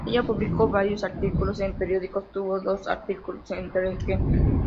Ella publicó varios artículos en periódicos, tuvo dos artículos en "The Queen".